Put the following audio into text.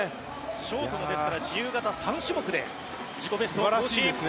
ショートは３種目で自己ベストを更新。